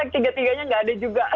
tiga tiganya nggak ada juga